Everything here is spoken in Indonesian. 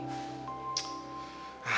apalagi boy udah keluar dari sekolah ini